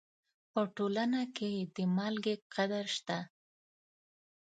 په ټولنه کې د مالګې قدر شته.